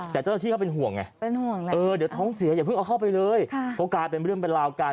แต่เจ้าหน้าที่เขาเป็นห่วงไงเป็นห่วงเลยเออเดี๋ยวท้องเสียอย่าเพิ่งเอาเข้าไปเลยเพราะกลายเป็นเรื่องเป็นราวกัน